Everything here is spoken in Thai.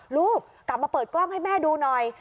ลูกกลับมาเปิดกล้องให้แม่ดูหน่อย